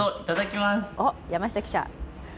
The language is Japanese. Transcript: おっ、山下記者。